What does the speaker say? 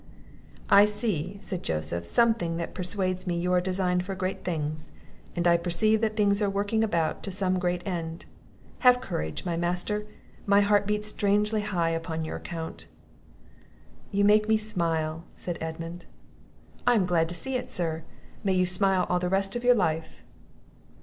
"I see," said Joseph, "something that persuades me you are designed for great things; and I perceive that things are working about to some great end: have courage, my Master, my heart beats strangely high upon your account!" "You make me smile," said Edmund. "I am glad to see it, sir; may you smile all the rest of your life!"